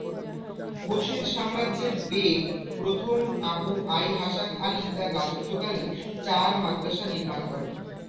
হোসেন সাম্রাজ্যের বেগ প্রথম আবু আই-হাসান আলী তার রাজত্বকালে চার মাদ্রাসা নির্মাণ করেন।